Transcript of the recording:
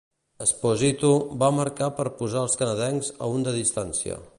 Esposito va marcar per posar als canadencs a un de distància.